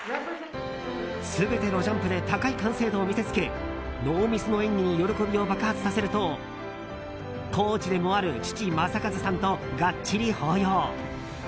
全てのジャンプで高い完成度を見せつけノーミスの演技に喜びを爆発させるとコーチでもある父・正和さんとがっちり抱擁。